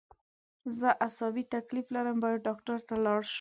زه عصابي تکلیف لرم باید ډاکټر ته لاړ شم